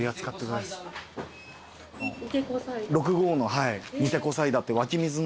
六郷のニテコサイダーって湧き水の。